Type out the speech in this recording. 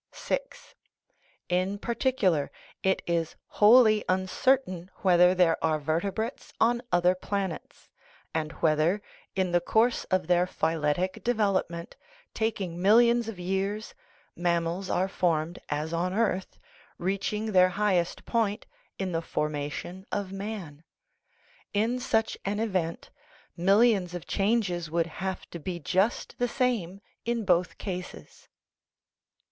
VI. In particular, it is wholly uncertain whether there are vertebrates on other planets, and whether, in the course of their phyletic development, taking millions of years, mammals are formed as on earth, reaching their highest point in the formation of man ; in such an event, millions of changes would have to be just the same in both cases.